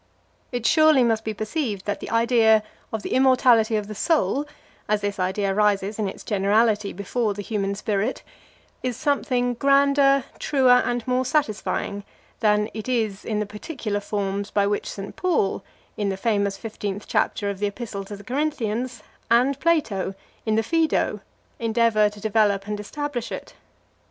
It surely must be perceived that the idea of the immortality of the soul, as this idea rises in its generality before the human spirit, is something grander, truer, and more satisfying, than it is in the particular forms by which St. Paul, in the famous fifteenth chapter of the Epistle to the Corinthians,+ and Plato, in the Phaedo, endeavour to develope and establish it.